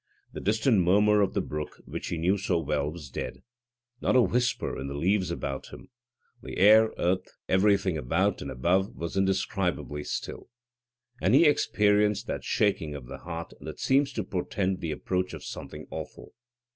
The distant murmur of the brook, which he knew so well, was dead; not a whisper in the leaves about him; the air, earth, everything about and above was indescribably still; and he experienced that quaking of the heart that seems to portend the approach of something awful.